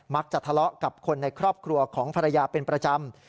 ทะเลาะกับคนในครอบครัวของภรรยาเป็นประจำ